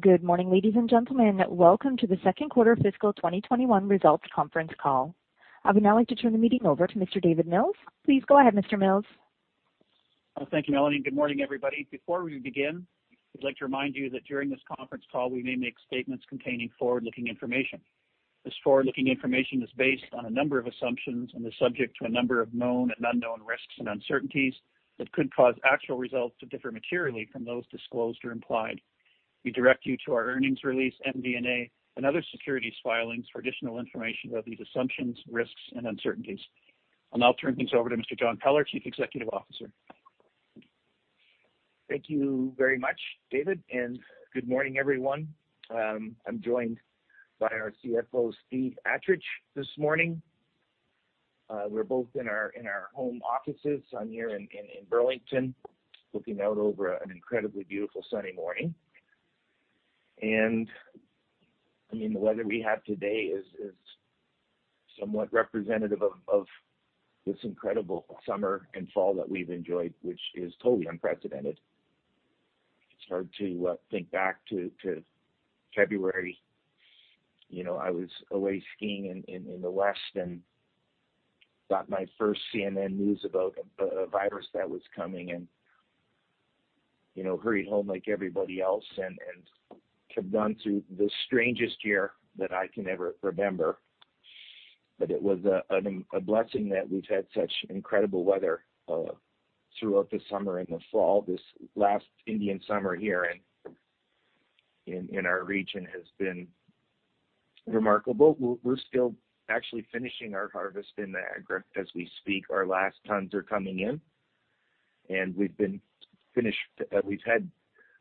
Good morning, ladies and gentlemen. Welcome to the Second Quarter Fiscal 2021 Results Conference Call. I would now like to turn the meeting over to Mr. David Mills. Please go ahead, Mr. Mills. Thank you, Melanie. Good morning, everybody. Before we begin, we'd like to remind you that during this conference call, we may make statements containing forward-looking information. This forward-looking information is based on a number of assumptions and is subject to a number of known and unknown risks and uncertainties that could cause actual results to differ materially from those disclosed or implied. We direct you to our earnings release, MD&A, and other securities filings for additional information about these assumptions, risks, and uncertainties. I'll now turn things over to Mr. John Peller, Chief Executive Officer. Thank you very much, David, and good morning, everyone. I'm joined by our CFO, Steve Attridge, this morning. We're both in our home offices. I'm here in Burlington, looking out over an incredibly beautiful sunny morning. The weather we have today is somewhat representative of this incredible summer and fall that we've enjoyed, which is totally unprecedented. It's hard to think back to February. I was away skiing in the west and got my first CNN news about a virus that was coming and hurried home like everybody else and have gone through the strangest year that I can ever remember. It was a blessing that we've had such incredible weather throughout the summer and the fall. This last Indian summer here in our region has been remarkable. We're still actually finishing our harvest in the Niagara as we speak. Our last tons are coming in, and we've had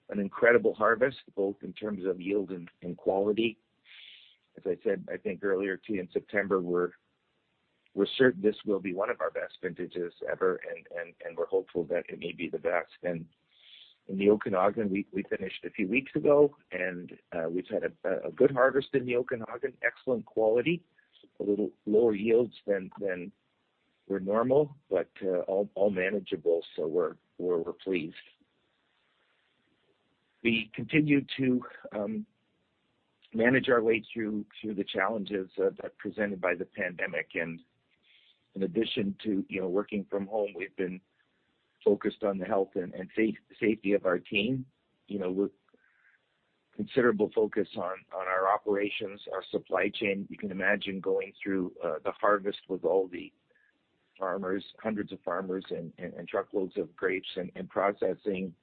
an incredible harvest, both in terms of yield and quality. As I said, I think earlier too, in September, we're certain this will be one of our best vintages ever, and we're hopeful that it may be the best. In the Okanagan, we finished a few weeks ago, and we've had a good harvest in the Okanagan, excellent quality. A little lower yields than were normal, but all manageable, so we're pleased. We continue to manage our way through the challenges that are presented by the pandemic. In addition to working from home, we've been focused on the health and safety of our team. Considerable focus on our operations, our supply chain. You can imagine going through the harvest with all the farmers, hundreds of farmers and truckloads of grapes and processing.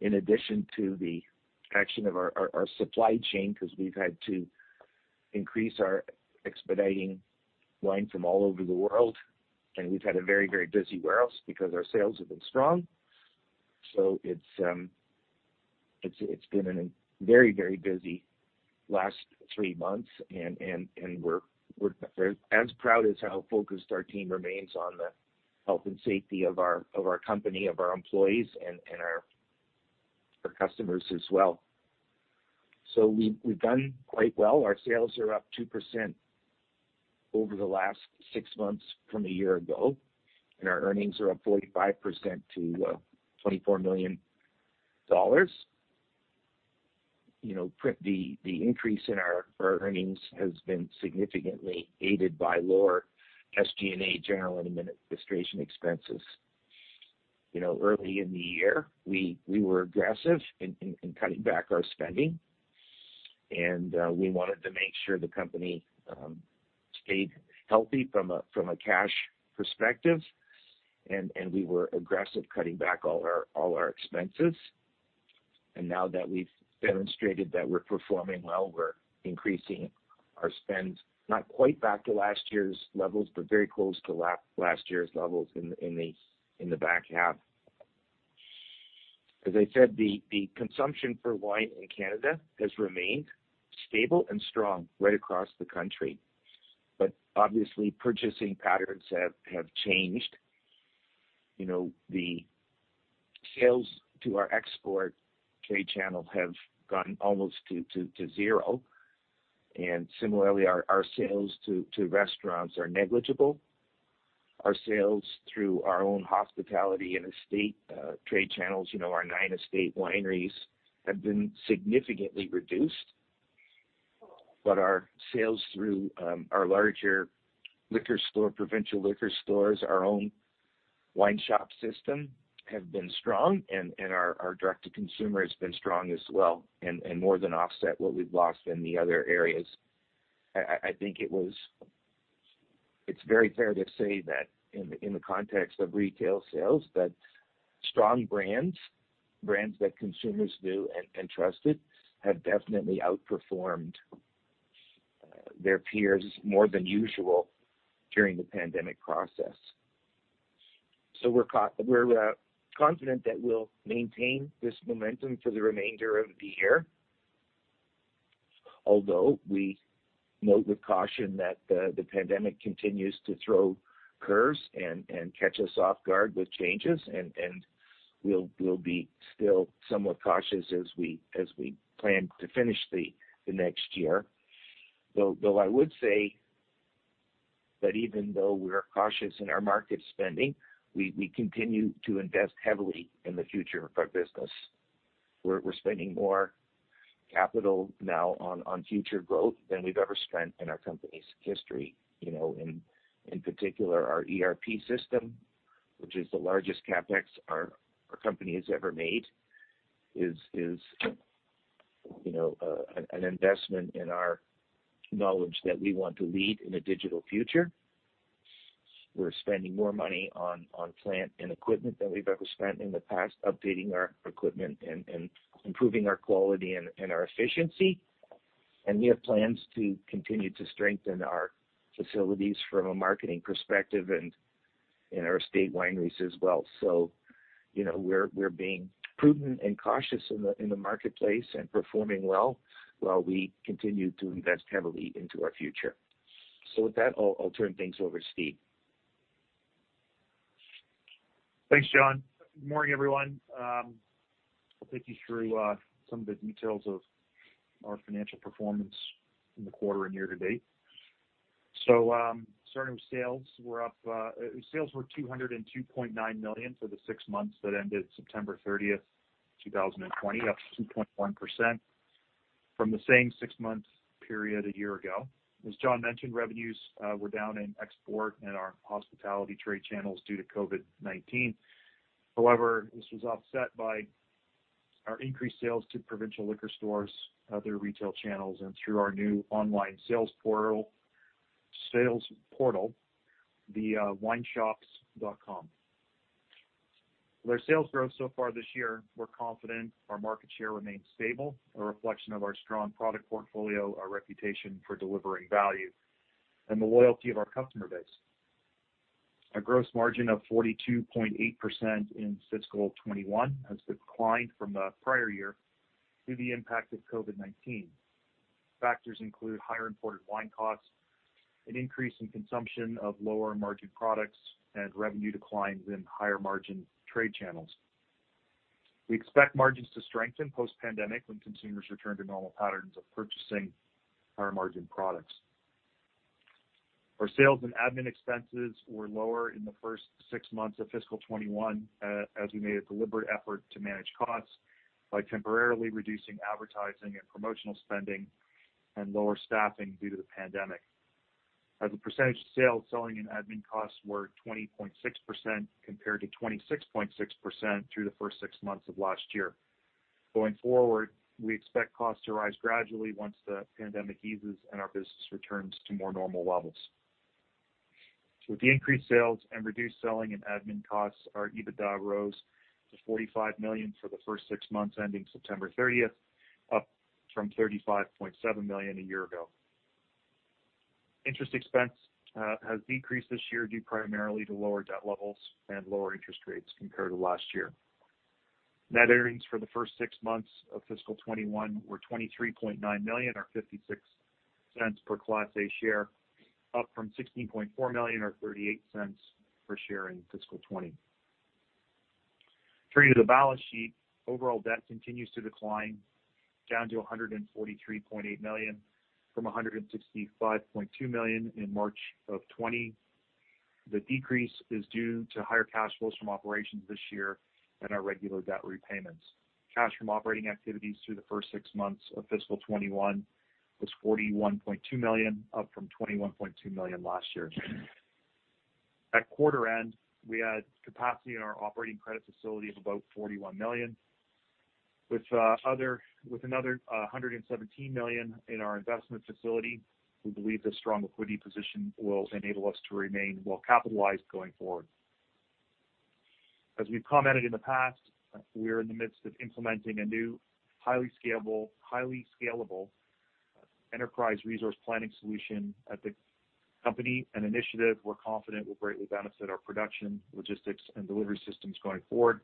In addition to the action of our supply chain, because we've had to increase our expediting wine from all over the world. We've had a very busy warehouse because our sales have been strong. It's been a very busy last three months, and we're as proud as how focused our team remains on the health and safety of our company, of our employees, and our customers as well. We've done quite well. Our sales are up 2% over the last six months from a year ago, and our earnings are up 45% to 24 million dollars. The increase in our earnings has been significantly aided by lower SG&A, general and administration expenses. Early in the year, we were aggressive in cutting back our spending, and we wanted to make sure the company stayed healthy from a cash perspective, and we were aggressive cutting back all our expenses. Now that we've demonstrated that we're performing well, we're increasing our spend, not quite back to last year's levels, but very close to last year's levels in the back half. As I said, the consumption for wine in Canada has remained stable and strong right across the country. Obviously, purchasing patterns have changed. The sales to our export trade channel have gone almost to zero. Similarly, our sales to restaurants are negligible. Our sales through our own hospitality and estate trade channels, our nine estate wineries, have been significantly reduced. Our sales through our larger liquor store, provincial liquor stores, our own The Wine Shop system, have been strong, and our direct-to-consumer has been strong as well and more than offset what we've lost in the other areas. I think it's very fair to say that in the context of retail sales, that strong brands that consumers knew and trusted, have definitely outperformed their peers more than usual during the pandemic process. We're confident that we'll maintain this momentum for the remainder of the year, although we note with caution that the pandemic continues to throw curves and catch us off guard with changes, and we'll be still somewhat cautious as we plan to finish the next year. Even though we are cautious in our market spending, we continue to invest heavily in the future of our business. We're spending more capital now on future growth than we've ever spent in our company's history. In particular, our ERP system, which is the largest CapEx our company has ever made, is an investment in our knowledge that we want to lead in a digital future. We're spending more money on plant and equipment than we've ever spent in the past, updating our equipment and improving our quality and our efficiency. We have plans to continue to strengthen our facilities from a marketing perspective and in our estate wineries as well. We're being prudent and cautious in the marketplace and performing well, while we continue to invest heavily into our future. With that, I'll turn things over to Steve. Thanks, John. Morning, everyone. I'll take you through some of the details of our financial performance in the quarter and year-to-date. Starting with sales. Sales were 202.9 million for the six months that ended September 30th, 2020, up 2.1% from the same six-month period a year ago. As John mentioned, revenues were down in export and our hospitality trade channels due to COVID-19. However, this was offset by our increased sales to provincial liquor stores, other retail channels, and through our new online sales portal, thewineshops.com. With our sales growth so far this year, we're confident our market share remains stable, a reflection of our strong product portfolio, our reputation for delivering value, and the loyalty of our customer base. Our gross margin of 42.8% in fiscal 2021 has declined from the prior year due to the impact of COVID-19. Factors include higher imported wine costs, an increase in consumption of lower margin products, and revenue declines in higher margin trade channels. We expect margins to strengthen post-pandemic when consumers return to normal patterns of purchasing higher margin products. Our sales and admin expenses were lower in the first six months of fiscal 2021, as we made a deliberate effort to manage costs by temporarily reducing advertising and promotional spending and lower staffing due to the pandemic. As a percentage of sales, selling and admin costs were 20.6% compared to 26.6% through the first six months of last year. Going forward, we expect costs to rise gradually once the pandemic eases and our business returns to more normal levels. With the increased sales and reduced selling and admin costs, our EBITDA rose to 45 million for the first six months ending September 30th, up from 35.7 million a year ago. Interest expense has decreased this year, due primarily to lower debt levels and lower interest rates compared to last year. Net earnings for the first six months of fiscal 2021 were 23.9 million, or 0.56 per Class A share, up from 16.4 million or 0.38 per share in fiscal 2020. Turning to the balance sheet, overall debt continues to decline, down to 143.8 million from 165.2 million in March of 2020. The decrease is due to higher cash flows from operations this year and our regular debt repayments. Cash from operating activities through the first six months of fiscal 2021 was 41.2 million, up from 21.2 million last year. At quarter end, we had capacity in our operating credit facility of about 41 million. With another 117 million in our investment facility, we believe this strong liquidity position will enable us to remain well capitalized going forward. As we've commented in the past, we're in the midst of implementing a new, highly scalable enterprise resource planning solution at the company, an initiative we're confident will greatly benefit our production, logistics, and delivery systems going forward.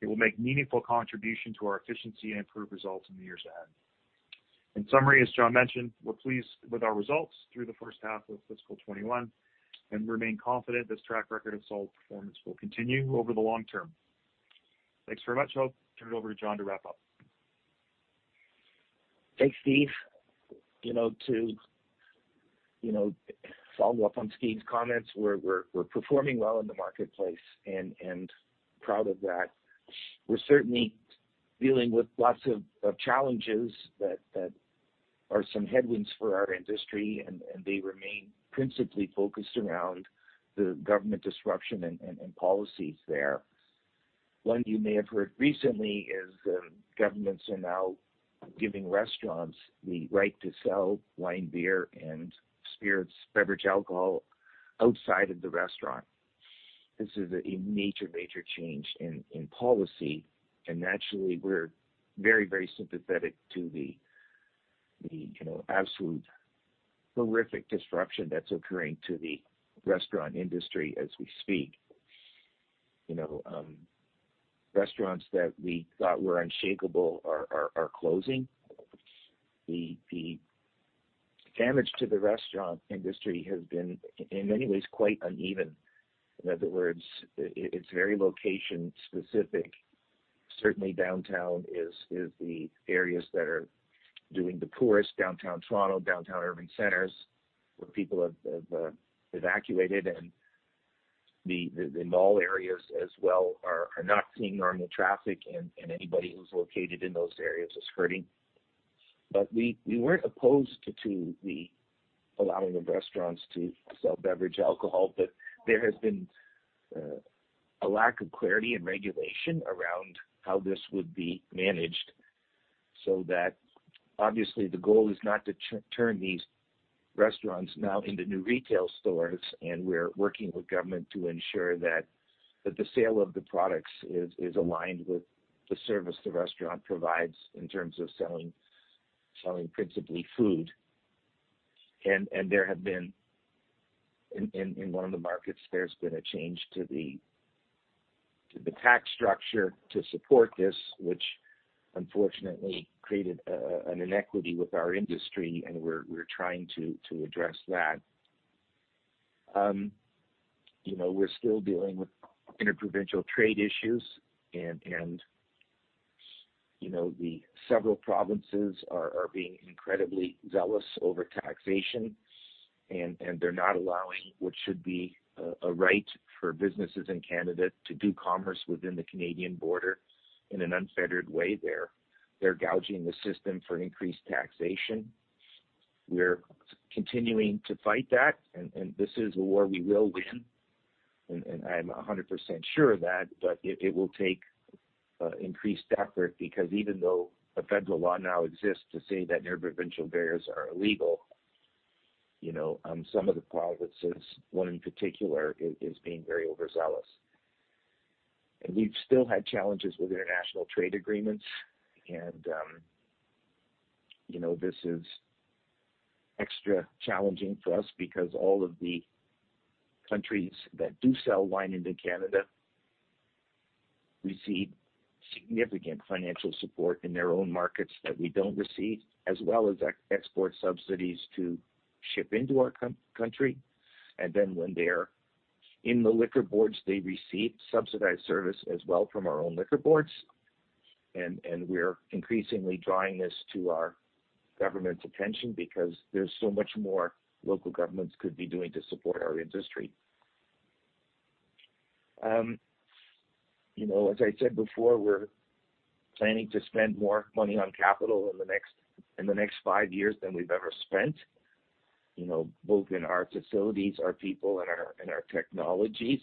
It will make meaningful contribution to our efficiency and improve results in the years ahead. In summary, as John mentioned, we're pleased with our results through the first half of fiscal 2021, and remain confident this track record of solid performance will continue over the long term. Thanks very much. I'll turn it over to John to wrap up. Thanks, Steve. To follow up on Steve's comments, we're performing well in the marketplace and proud of that. We're certainly dealing with lots of challenges that are some headwinds for our industry, and they remain principally focused around the government disruption and policies there. One you may have heard recently is governments are now giving restaurants the right to sell wine, beer, and spirits, beverage alcohol, outside of the restaurant. This is a major change in policy. Naturally, we're very sympathetic to the absolute horrific disruption that's occurring to the restaurant industry as we speak. Restaurants that we thought were unshakable are closing. The damage to the restaurant industry has been, in many ways, quite uneven. In other words, it's very location specific. Certainly downtown is the areas that are doing the poorest, downtown Toronto, downtown urban centers, where people have evacuated, and the mall areas as well are not seeing normal traffic and anybody who's located in those areas is hurting. We weren't opposed to the allowing of restaurants to sell beverage alcohol, but there has been a lack of clarity and regulation around how this would be managed, so that obviously the goal is not to turn these restaurants now into new retail stores, and we're working with government to ensure that the sale of the products is aligned with the service the restaurant provides in terms of selling principally food. In one of the markets, there's been a change to the tax structure to support this, which unfortunately created an inequity with our industry, and we're trying to address that. We're still dealing with inter-provincial trade issues, and the several provinces are being incredibly zealous over taxation, and they're not allowing what should be a right for businesses in Canada to do commerce within the Canadian border in an unfettered way. They're gouging the system for increased taxation. We're continuing to fight that, and this is a war we will win, and I'm 100% sure of that, but it will take increased effort because even though a federal law now exists to say that inter-provincial barriers are illegal, some of the provinces, one in particular, is being very overzealous. We've still had challenges with international trade agreements, and this is extra challenging for us because all of the countries that do sell wine into Canada receive significant financial support in their own markets that we don't receive, as well as export subsidies to ship into our country. When they're in the liquor boards, they receive subsidized service as well from our own liquor boards. We're increasingly drawing this to our government's attention because there's so much more local governments could be doing to support our industry. As I said before, we're planning to spend more money on capital in the next five years than we've ever spent, both in our facilities, our people, and our technologies.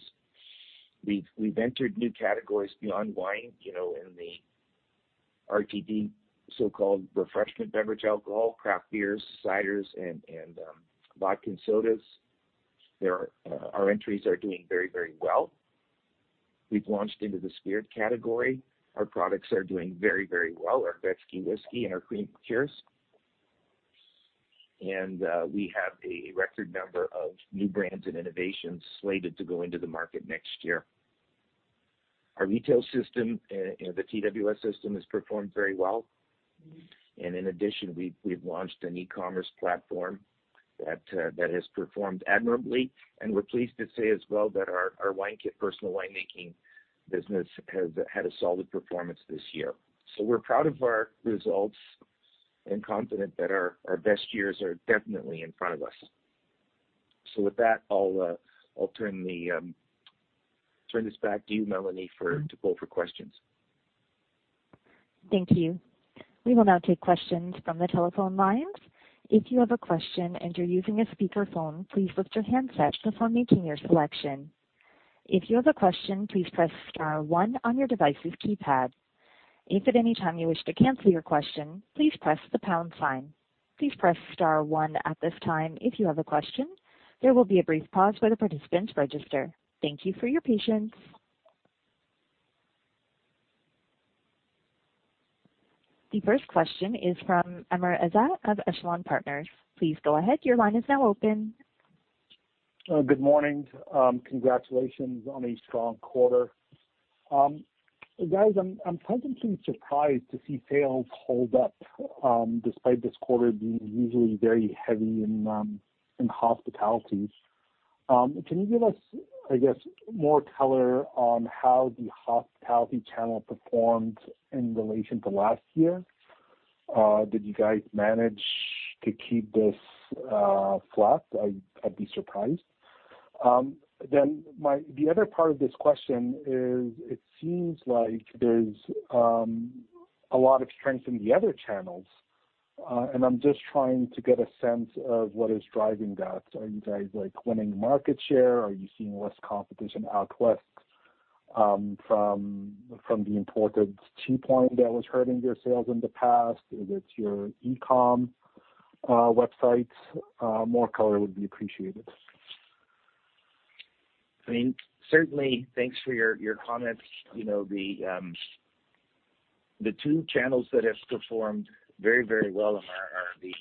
We've entered new categories beyond wine, in the RTD, so-called refreshment beverage alcohol, craft beers, ciders, and vodka and sodas. Our entries are doing very well. We've launched into the spirit category. Our products are doing very well, our Wayne Gretzky Whisky and our Cream Liqueurs. We have a record number of new brands and innovations slated to go into the market next year. Our retail system, the TWS system, has performed very well. In addition, we've launched an e-commerce platform that has performed admirably, and we're pleased to say as well that our wine kit personal wine-making business has had a solid performance this year. We're proud of our results and confident that our best years are definitely in front of us. With that, I'll turn this back to you, Melanie, to pull for questions. Thank you. We will now take questions from the telephone lines. If you have a question and you're using a speakerphone, please mute your handsets before making your selection. If you have a question, please press star one on your device's keypad. If at any time you wish to cancel your question, please press the pound sign. Please press star one at this time if you have a question. There will be a brief pause while the participants register. Thank you for your patience. The first question is from Amr Ezzat of Echelon Partners. Please go ahead. Your line is now open. Good morning. Congratulations on a strong quarter. Guys, I'm pleasantly surprised to see sales hold up despite this quarter being usually very heavy in hospitality. Can you give us, I guess, more color on how the hospitality channel performed in relation to last year? Did you guys manage to keep this flat? I'd be surprised. The other part of this question is it seems like there's a lot of strength in the other channels, and I'm just trying to get a sense of what is driving that. Are you guys winning market share? Are you seeing less competition out west from the imported cheap wine that was hurting your sales in the past? Is it your e-com websites? More color would be appreciated. Certainly, thanks for your comments. The two channels that have performed very well are the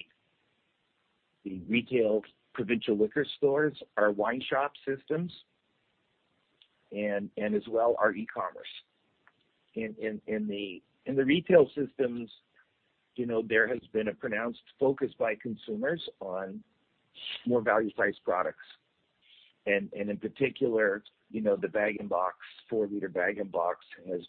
retail provincial liquor stores, our Wine Shop systems, and as well our e-commerce. In the retail systems, there has been a pronounced focus by consumers on more value-priced products. In particular, the four-liter bag-in-box has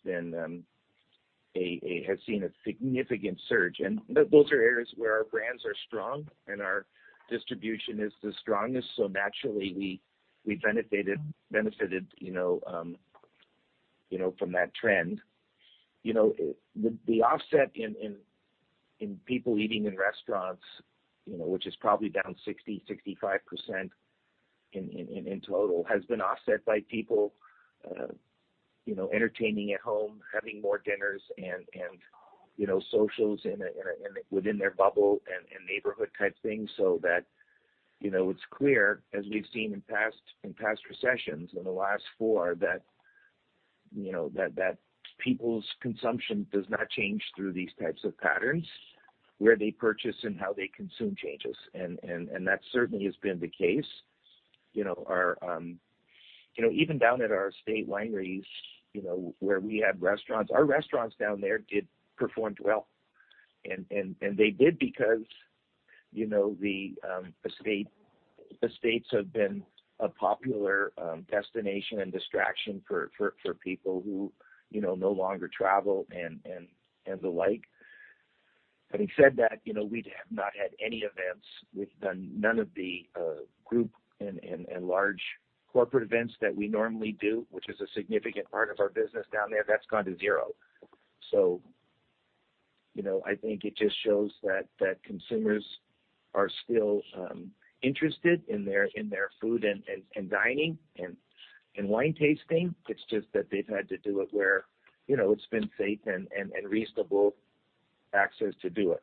seen a significant surge. Those are areas where our brands are strong and our distribution is the strongest, so naturally, we benefited from that trend. The offset in people eating in restaurants, which is probably down 60%-65% in total, has been offset by people entertaining at home, having more dinners and socials within their bubble and neighborhood type thing. That, it's clear, as we've seen in past recessions, in the last four, that people's consumption does not change through these types of patterns. Where they purchase and how they consume changes, and that certainly has been the case. Even down at our estate wineries, where we have restaurants, our restaurants down there did perform well. They did because the estates have been a popular destination and distraction for people who no longer travel and the like. Having said that, we have not had any events. We've done none of the group and large corporate events that we normally do, which is a significant part of our business down there. That's gone to zero. I think it just shows that consumers are still interested in their food and dining and wine tasting. It's just that they've had to do it where it's been safe and reasonable access to do it.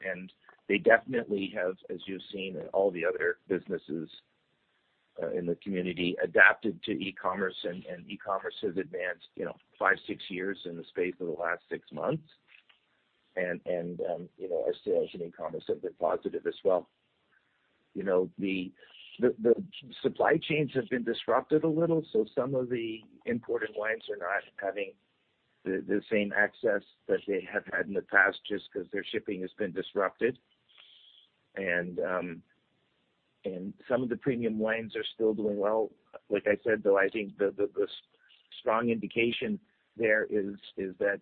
They definitely have, as you've seen in all the other businesses in the community, adapted to e-commerce, and e-commerce has advanced five, six years in the space of the last six months. Our sales in e-commerce have been positive as well. The supply chains have been disrupted a little, so some of the imported wines are not having the same access that they have had in the past just because their shipping has been disrupted. Some of the premium wines are still doing well. Like I said, though, I think the strong indication there is that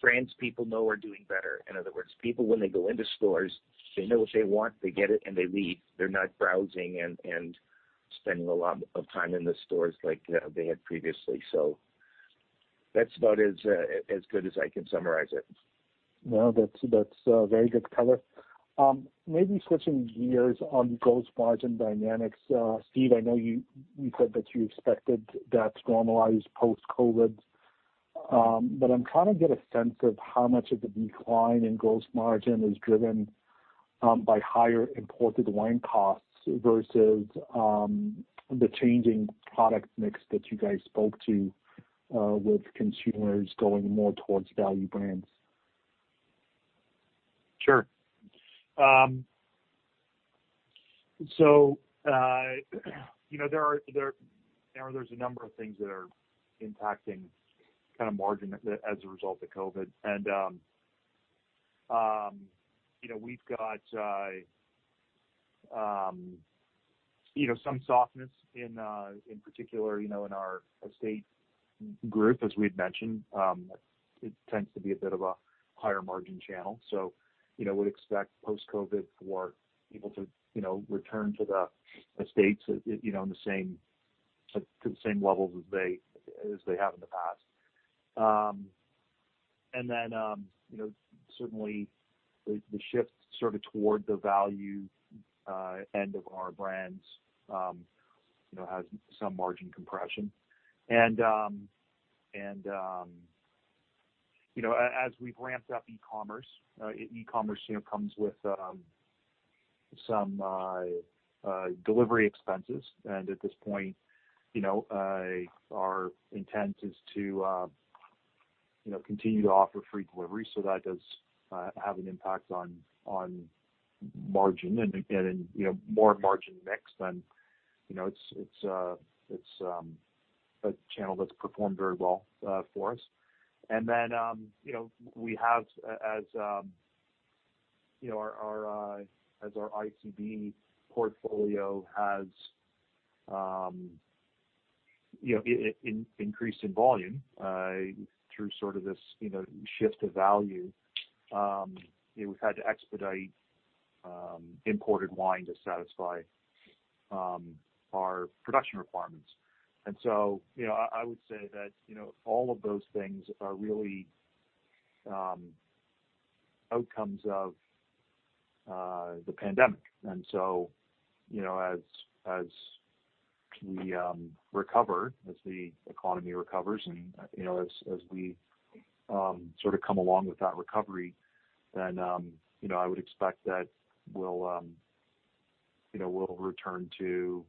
brands people know are doing better. In other words, people, when they go into stores, they know what they want, they get it, and they leave. They're not browsing and spending a lot of time in the stores like they had previously. That's about as good as I can summarize it. No, that's very good color. Maybe switching gears on gross margin dynamics. Steve, I know you said that you expected that to normalize post-COVID-19. I'm trying to get a sense of how much of the decline in gross margin is driven by higher imported wine costs versus the changing product mix that you guys spoke to with consumers going more towards value brands. Sure. There's a number of things that are impacting kind of margin as a result of COVID. We've got some softness in particular in our estate group, as we had mentioned. It tends to be a bit of a higher margin channel. We'd expect post-COVID for people to return to the estates to the same levels as they have in the past. Certainly the shift sort of toward the value end of our brands has some margin compression. As we've ramped up e-commerce, e-commerce comes with some delivery expenses. At this point our intent is to continue to offer free delivery. That does have an impact on margin. It's a channel that's performed very well for us. As our ICB portfolio has increased in volume through sort of this shift to value, we've had to expedite imported wine to satisfy our production requirements. I would say that all of those things are really outcomes of the pandemic. As we recover, as the economy recovers, and as we sort of come along with that recovery, then I would expect that we'll return to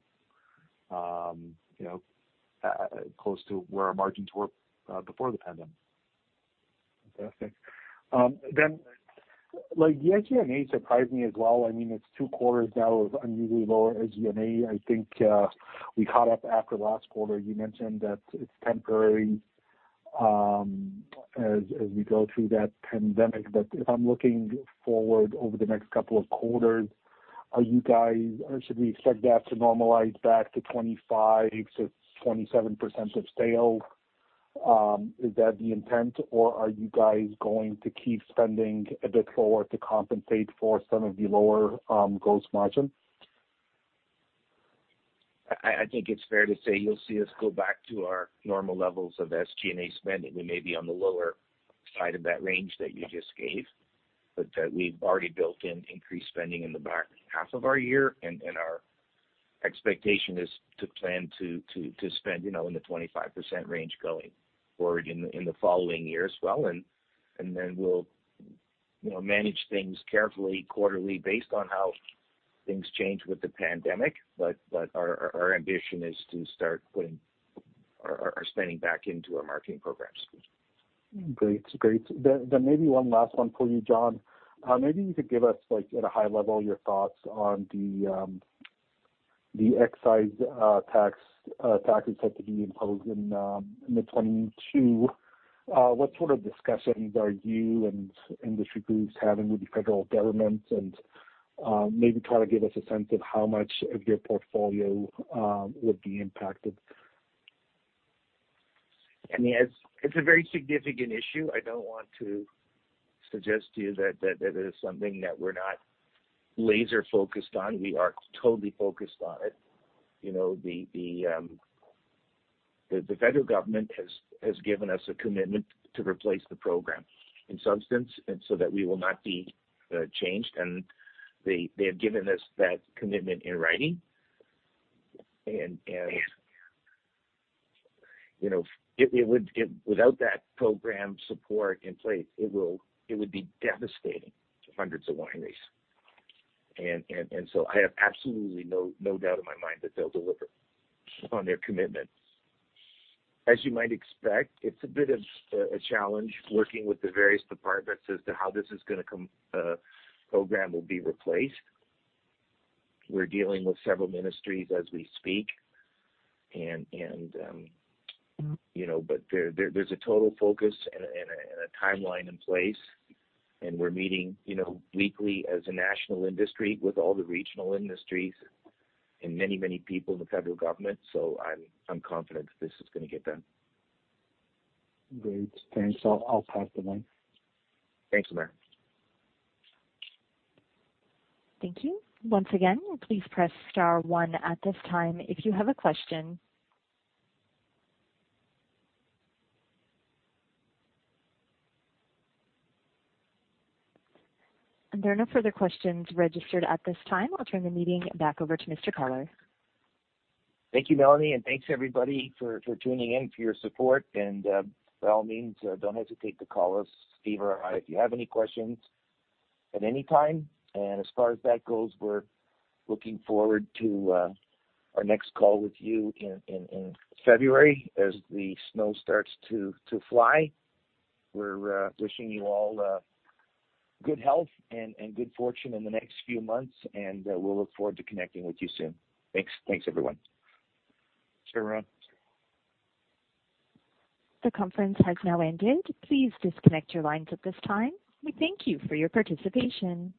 close to where our margins were before the pandemic. Fantastic. The SG&A surprised me as well. It's two quarters now of unusually low SG&A. I think we caught up after last quarter. You mentioned that it's temporary as we go through that pandemic. If I'm looking forward over the next couple of quarters, should we expect that to normalize back to 25%-27% of sales? Is that the intent, or are you guys going to keep spending a bit lower to compensate for some of the lower gross margin? I think it's fair to say you'll see us go back to our normal levels of SG&A spending. We may be on the lower side of that range that you just gave, but we've already built in increased spending in the back half of our year, our expectation is to plan to spend in the 25% range going forward in the following year as well. Then we'll manage things carefully quarterly based on how things change with the pandemic. Our ambition is to start putting our spending back into our marketing programs. Great. Maybe one last one for you, John. Maybe you could give us, at a high level, your thoughts on the excise taxes that are being imposed in mid-2022. What sort of discussions are you and industry groups having with the federal government? Maybe try to give us a sense of how much of your portfolio would be impacted. It's a very significant issue. I don't want to suggest to you that it is something that we're not laser focused on. We are totally focused on it. The federal government has given us a commitment to replace the program in substance, so that we will not be changed. They have given us that commitment in writing. Without that program support in place, it would be devastating to hundreds of wineries. So, I have absolutely no doubt in my mind that they'll deliver on their commitment. As you might expect, it's a bit of a challenge working with the various departments as to how this program will be replaced. We're dealing with several ministries as we speak, but there's a total focus and a timeline in place, and we're meeting weekly as a national industry with all the regional industries and many people in the federal government. I'm confident that this is going to get done. Great. Thanks. I'll pass the line. Thanks, Amr. Thank you. Once again, please press star one at this time if you have a question. There are no further questions registered at this time. I'll turn the meeting back over to Mr. Peller. Thank you, Melanie. Thanks everybody for tuning in, for your support. By all means, don't hesitate to call us, Steve or I, if you have any questions at any time. As far as that goes, we're looking forward to our next call with you in February as the snow starts to fly. We're wishing you all good health and good fortune in the next few months, and we'll look forward to connecting with you soon. Thanks, everyone. Thanks, everyone The conference has now ended. Please disconnect your lines at this time. We thank you for your participation.